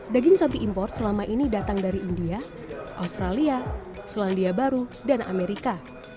daging sapi impor selama ini datang dari india australia selandia baru dan amerika